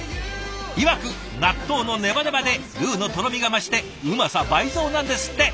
いわく納豆のねばねばでルーのとろみが増してうまさ倍増なんですって！